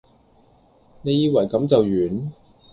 你以為咁就完?